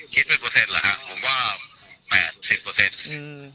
คิดเป็นเปอร์เซ็นเหรอฮะผมว่าแปดสิบเปอร์เซ็นต์อืม